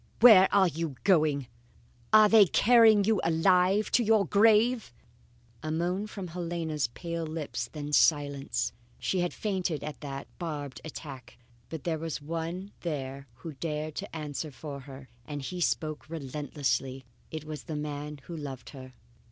"Where are you going? Are they carrying you alive to your grave?" A moan from Helena's pale lips, then silence. She had fainted at that barbed attack. But there was one there who dared to answer for her and he spoke relentlessly. It was the man who loved her.